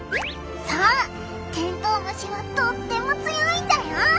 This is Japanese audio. そうテントウムシはとっても強いんだよ。